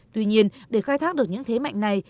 tuy nhiên để khai thác được những thế mạnh này